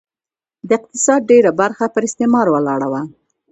د اقتصاد ډېره برخه پر استثمار ولاړه وه.